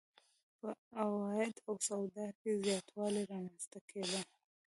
په عوایدو او سواد کې زیاتوالی رامنځته کېده.